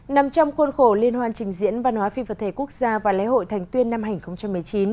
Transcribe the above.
nằm trong khuôn khổ liên hoan trình diễn văn hóa phi vật thể quốc gia và lễ hội thành tuyên năm hai nghìn một mươi chín